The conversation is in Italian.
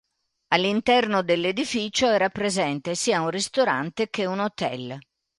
All'interno dell'edificio era presente sia un ristorante che un hotel.